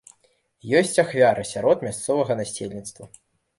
Ёсць ахвяры сярод мясцовага насельніцтва.